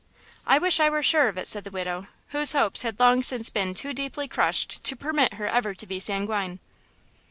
"I wish I were sure of it," said the widow, whose hopes had long since been too deeply crushed to permit her ever to be sanguine.